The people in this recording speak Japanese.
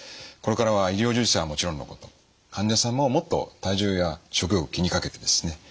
これからは医療従事者はもちろんのこと患者さんももっと体重や食欲を気にかけてですね